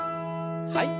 はい。